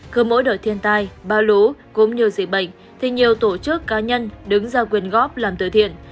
cơ mỗi đời thiên tai bao lố cũng như dịch bệnh thì nhiều tổ chức cá nhân đứng ra quyền góp làm từ thiện